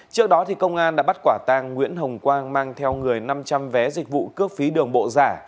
trước đó công an đã bắt quả tang nguyễn hồng quang mang theo người năm trăm linh vé dịch vụ cướp phí đường bộ giả